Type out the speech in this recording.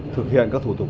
thực hiện các thủ tục